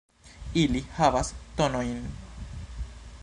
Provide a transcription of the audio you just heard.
Ili havas tonojn.